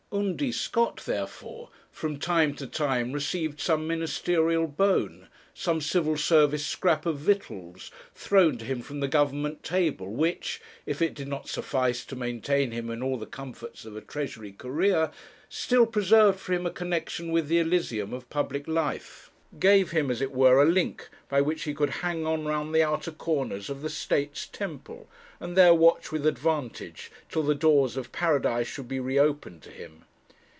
Undy Scott, therefore, from time to time, received some ministerial bone, some Civil Service scrap of victuals thrown to him from the Government table, which, if it did not suffice to maintain him in all the comforts of a Treasury career, still preserved for him a connexion with the Elysium of public life; gave him, as it were, a link by which he could hang on round the outer corners of the State's temple, and there watch with advantage till the doors of Paradise should be re opened to him.